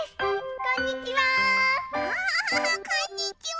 こんにちは。